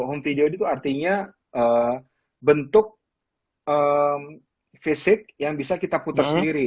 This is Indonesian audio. home video itu artinya bentuk fisik yang bisa kita putar sendiri